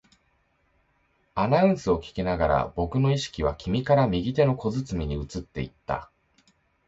アナウンスを聞きながら、僕の意識は君から右手の小包に移っていった